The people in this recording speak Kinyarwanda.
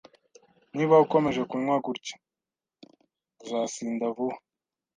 Niba ukomeje kunywa gutya, uzasinda vuba.